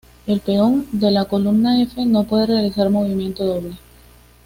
El peón de la columna f no puede realizar movimiento doble.